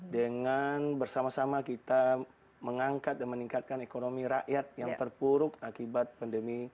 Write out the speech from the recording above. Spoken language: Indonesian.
dengan bersama sama kita mengangkat dan meningkatkan ekonomi rakyat yang terpuruk akibat pandemi